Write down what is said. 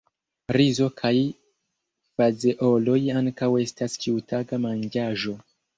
Rizo kaj fazeoloj ankaŭ estas ĉiutaga manĝaĵo.